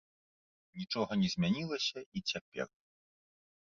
Нічога не змянілася і цяпер.